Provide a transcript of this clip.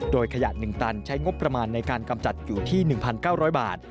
โดยขยะ๑ตันใช้งบประมาณในการกำจัดอยู่ที่๑๙๐๐บาท